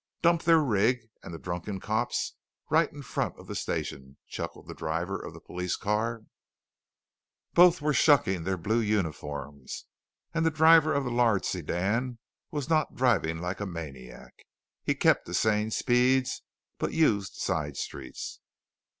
"Dump their rig and the drunken cops right in front of the station," chuckled the driver of the police car. Both were shucking their blue uniforms. And the driver of the large sedan was not driving like a maniac. He kept to sane speeds, but used side streets.